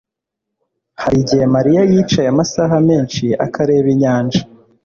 hari igihe mariya yicaye amasaha menshi akareba inyanja